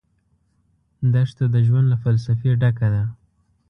دښته د ژوند له فلسفې ډکه ده.